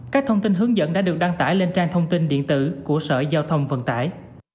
các thông tin hướng dẫn đã được đăng tải lên trang thông tin điện tử của sở giao thông vận tải